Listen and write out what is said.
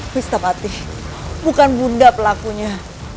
wistapati bukan bunda pelakunya